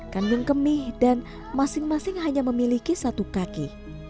kandung kemih dan masing masing hanya memiliki satu kaki